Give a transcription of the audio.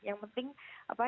yang penting apa